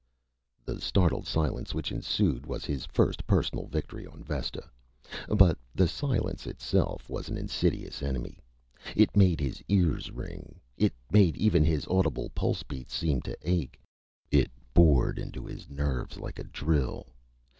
The startled silence which ensued was his first personal victory on Vesta. But the silence, itself, was an insidious enemy. It made his ears ring. It made even his audible pulsebeats seemed to ache. It bored into his nerves like a drill.